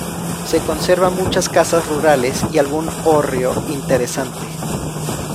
Se conserva muchas casas rurales, y algún hórreo interesante.